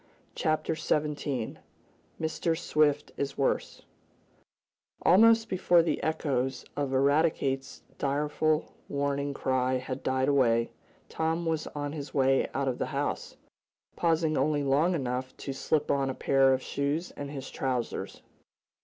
Chapter Seventeen Mr. Swift is Worse Almost before the echoes of Eradicate's direful warning cry had died away, Tom was on his way out of the house, pausing only long enough to slip on a pair of shoes and his trousers.